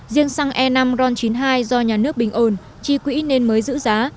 riêng xăng e năm ron chín mươi hai do nhà nước bình ổn chi quỹ nên mới giữ giá